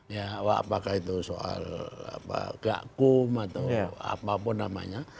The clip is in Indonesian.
ya apakah itu soal gakkum atau apapun namanya